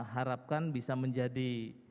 harapkan bisa menjadi